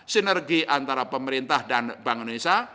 sinergi antara pemerintah dan bank indonesia